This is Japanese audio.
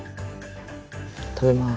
食べます。